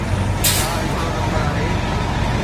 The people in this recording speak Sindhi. ڇا ھڪڙو نمبر آھي؟